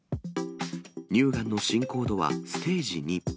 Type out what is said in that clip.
乳がんの進行度はステージ２。